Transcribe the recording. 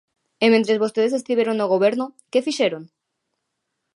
E mentres vostedes estiveron no Goberno, ¿que fixeron?